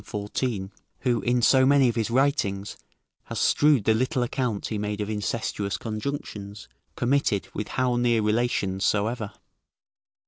14.] who, in so many of his writings, has strewed the little account he made of incestuous conjunctions, committed with how near relations soever.